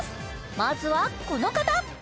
まずはこの方